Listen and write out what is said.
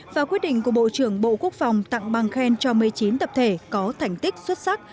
và quyết định của bộ trưởng bộ quốc phòng tặng bằng khen cho một mươi chín tập thể có thành tích xuất sắc